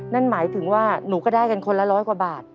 นั่นหมายถึงว่าหนูก็ได้กันคนละร้อยกว่าบาท